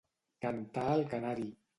Cantar el canari.